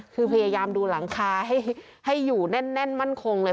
คือพยายามดูหลังคาให้อยู่แน่นมั่นคงเลย